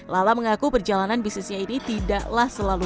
lala mengaku perjalanan bisnisnya ini tidaklah selalu